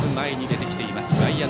出てきています。